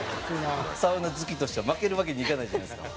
サウナ好きとしては負けるわけにいかないじゃないですか。